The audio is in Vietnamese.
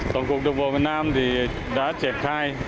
tổng cục đồng bộ việt nam thì đã trẻ khai